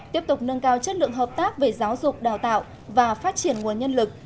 tiếp tục nâng cao chất lượng hợp tác về giáo dục đào tạo và phát triển nguồn nhân lực